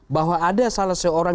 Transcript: bahwa ada salah seorang